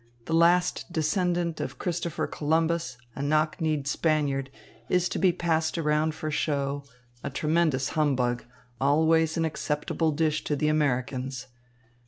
The last descendant of Christopher Columbus, a knock kneed Spaniard, is to be passed around for show, a tremendous humbug, always an acceptable dish to the Americans.